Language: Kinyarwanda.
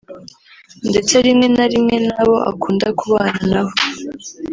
ndetse rimwe na rimwe n’abo akunda kubana nabo